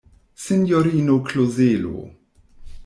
Sinjorino Klozelo!